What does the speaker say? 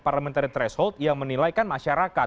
parliamentary threshold yang menilaikan masyarakat